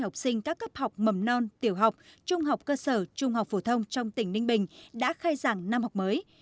học sinh các cấp học mầm non tiểu học trung học cơ sở trung học phổ thông trong tỉnh ninh bình đã khai giảng năm học mới